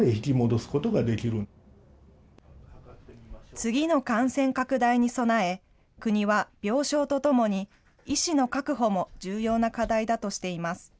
次の感染拡大に備え、国は病床とともに、医師の確保も重要な課題だとしています。